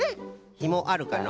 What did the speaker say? ひもあるかの？